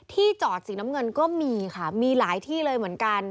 ที่จอดสีน้ำเงินก็มีค่ะมีหลายที่เลยเหมือนกัน